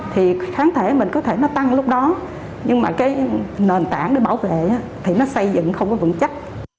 thì kháng thể mình có thể nó tăng lúc đó nhưng mà cái nền tảng để bảo vệ thì nó xây dựng không có vững chắc